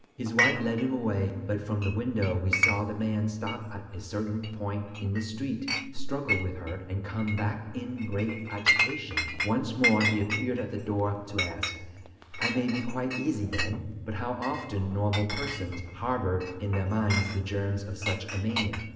His wife led him away, but from the window we saw the man stop at a certain point in the street, struggle with her, and come back in great agitation. Once more he appeared at the door to ask: "I may be quite easy then?" But how often normal persons harbor in their minds the germs of such a mania!